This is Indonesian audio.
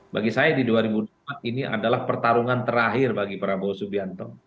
bagi saya di dua ribu dua puluh empat ini adalah pertarungan terakhir bagi prabowo subianto